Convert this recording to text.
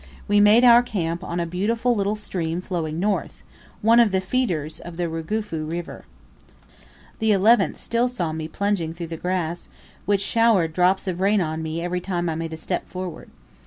We made our camp on a beautiful little stream flowing north; one of the feeders of the Rugufu River. The 11th still saw me plunging through the grass, which showered drops of rain on me every time I made a step forward.